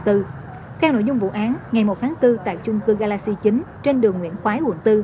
theo nội dung vụ án ngày một tháng bốn tại chung cư galaxy chín trên đường nguyễn quái quận bốn